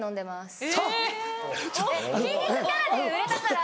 ・えぇ・筋肉キャラで売れたから。